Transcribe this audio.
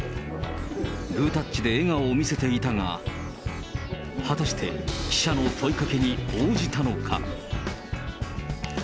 グータッチで笑顔を見せていたが、果たして記者の問いかけに応じたのか。